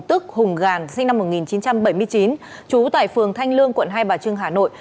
tức hùng gàn sinh năm một nghìn chín trăm bảy mươi chín trú tại phường thanh lương quận hai bà trưng hà nội